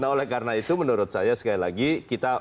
nah oleh karena itu menurut saya sekali lagi kita